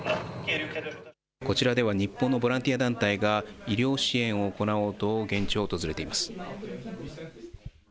こちらでは日本のボランティア団体が医療支援を行おうと現地を訪れています。